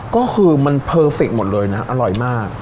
ก็คือมันเพอร์ฟิกหมดเลยนะอร่อยมาก